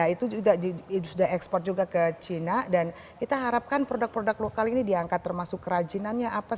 itu sudah ekspor juga ke china dan kita harapkan produk produk lokal ini diangkat termasuk kerajinannya apa